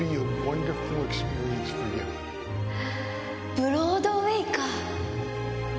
ブロードウェイか。